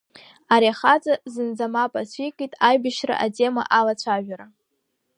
Ари ахаҵа зынӡа мап ацәикит аибашьра атема алацәажәара.